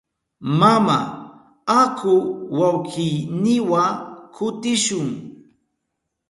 Mama, aku wawkiyniwa kutishun.